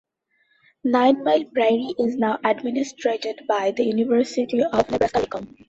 Nine Mile Prairie is now administered by the University of Nebraska-Lincoln.